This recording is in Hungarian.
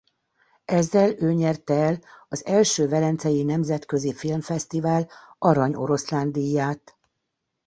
Ezzel ő nyerte el az első Velencei Nemzetközi Filmfesztivál Arany Oroszlán díját.